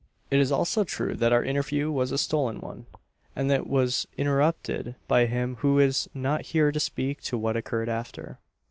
"It is also true that our interview was a stolen one; and that it was interrupted by him who is not here to speak to what occurred after.